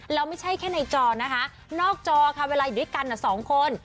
แล้วไม่ใช่แค่ในจอนะคะนอกจอค่ะเวลาอยู่ด้วยกันสองคน